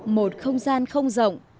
một không gian không rộng